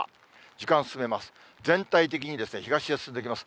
時間進めます。